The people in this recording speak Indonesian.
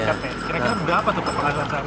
mereka kira kira berapa tuh penghasilan saat ini